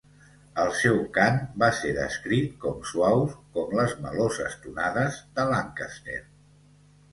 El seu cant va ser descrit com suaus com les meloses tonades de Lancaster.